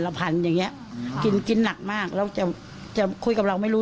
พันอย่างเงี้ยกินกินหนักมากแล้วจะจะคุยกับเราไม่รู้